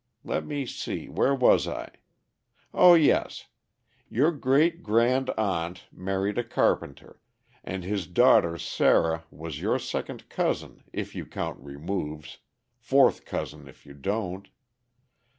Let me see, where was I? O yes! Your great grand aunt married a carpenter, and his daughter Sarah was your second cousin if you count removes, fourth cousin if you don't.